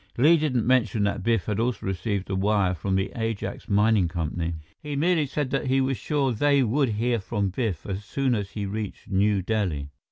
Li didn't mention that Biff had also received a wire from the Ajax Mining Company. He merely said that he was sure they would hear from Biff as soon as he reached New Delhi.